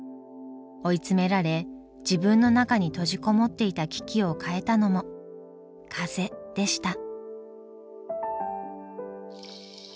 追い詰められ自分の中に閉じ籠もっていたキキを変えたのも風でした。